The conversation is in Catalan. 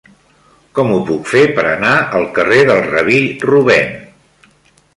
Com ho puc fer per anar al carrer del Rabí Rubèn?